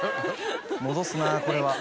戻すなこれは。